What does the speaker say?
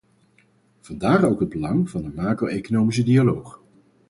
Vandaar ook het belang van de macro-economische dialoog.